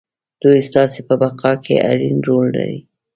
دوی ستاسې په بقا کې اړين رول لري.